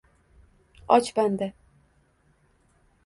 Och banda.